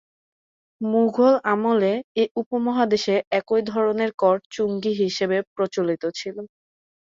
মুগল আমলে এ উপমহাদেশে একই ধরনের কর চুঙ্গি হিসেবে প্রচলিত ছিল।